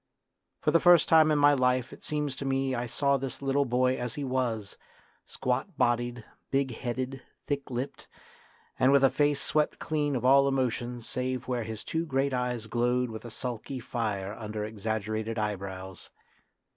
For the first time in my life it seems to me I saw this little boy as he was, squat bodied, big headed, thick lipped, and with a face swept clean of all emotions save A DKAMA OF YOUTH 37 where his two great eyes glowed with a sulky fire under exaggerated eyebrows.